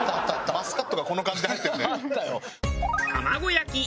マスカットがこの感じで入ってるね。